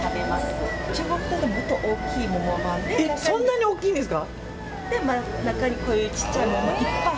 そんなに大きいんですか？